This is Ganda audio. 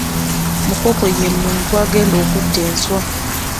Mukoko ye muntu agenda okutta enswa.